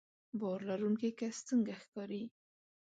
باور لرونکی کس څنګه ښکاري